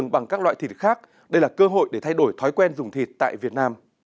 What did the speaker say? bằng các loại thịt khác đây là cơ hội để thay đổi thói quen dùng thịt tại việt nam